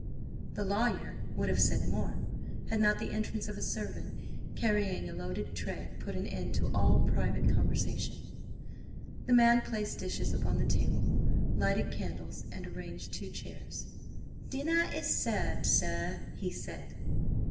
The lawyer would have said more, had not the entrance of a servant, carrying a loaded tray, put an end to all private conversation. The man placed dishes upon the table, lighted candles, and arranged two chairs. "Dinner is served, sir," he said.